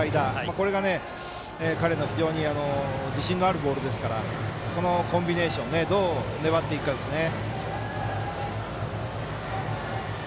これが彼の非常に自信のあるボールですからこのコンビネーションどう粘っていくかですね。